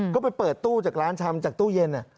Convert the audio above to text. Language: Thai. ก็ไปเปิดตู้จากร้านชำจากตู้เย็น